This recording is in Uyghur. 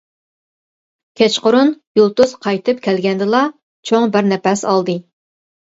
كەچقۇرۇن يۇلتۇز قايتىپ كەلگەندىلا چوڭ بىر نەپەس ئالدى.